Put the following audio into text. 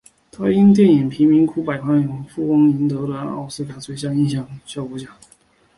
他因电影贫民窟的百万富翁赢得了奥斯卡最佳音响效果奖。